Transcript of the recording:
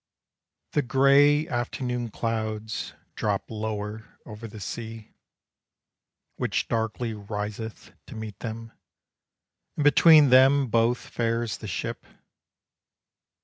The gray afternoon clouds Drop lower over the sea, Which darkly riseth to meet them, And between them both fares the ship.